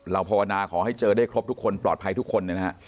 ภาวนาขอให้เจอได้ครบทุกคนปลอดภัยทุกคนนะฮะ